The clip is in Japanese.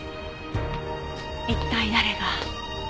一体誰が。